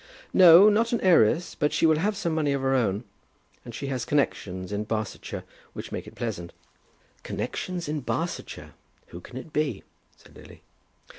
"No; not an heiress; but she will have some money of her own. And she has connexions in Barsetshire, which makes it pleasant." "Connexions in Barsetshire! Who can it be?" said Lily.